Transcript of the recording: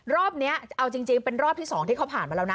รอบนี้เอาจริงเป็นรอบที่๒ที่เขาผ่านมาแล้วนะ